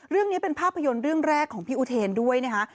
เรื่องนี้เป็นภาพยนตร์เรื่องแรกของพี่อุเทนด้วยนะคะ